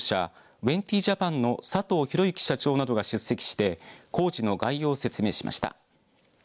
ウェンティ・ジャパンの佐藤裕之社長などが出席して工事の概要を説明しました。